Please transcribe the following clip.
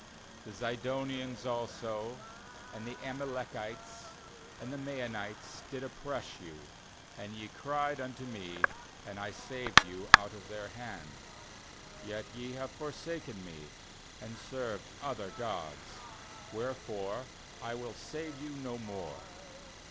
12The Zidonians also, and the Amalek ites, and the Maonites, did oppress you; and ye cried unto Me, and I saved you out of their hand. ^Yet ye have forsaken Me, and served other gods; wherefore I will save you no more.